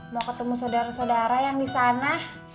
mau ketemu sodara sodara yang disana